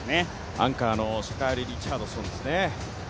アンカーのシャカリー・リチャードソンですね。